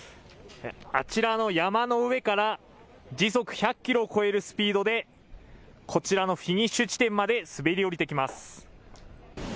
あちらの山の上から、時速１００キロを超えるスピードで、こちらのフィニッシュ地点まで滑り降りてきます。